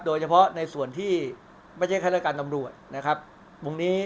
โดยเฉพาะในส่วนที่ไม่ใช่ข้าราชการตำรวจนะครับวงนี้